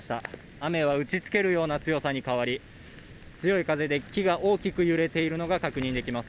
雨は打ち付けるような強さに変わり強い風で木が大きく揺れているのが確認できます。